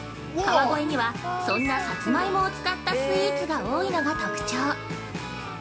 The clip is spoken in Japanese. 川越には、そんなサツマイモを使ったスイーツが多いのが特徴。